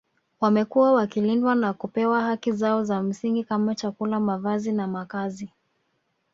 Wamekuwa wakilindwa na kupewa haki zao za msingi kama chakula mavazi na makazi